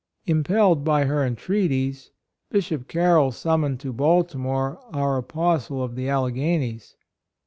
Impelled by her entreaties, Bishop Carroll summoned to Bal timore our Apostle of the Alle ghanies.